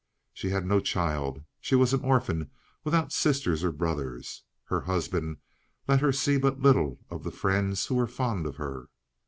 She had no child; she was an orphan without sisters or brothers. Her husband let her see but little of the friends who were fond of her.